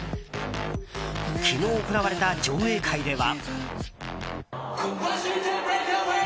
昨日行われた上映会では。